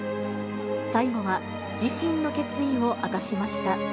最後は、自身の決意を明かしまし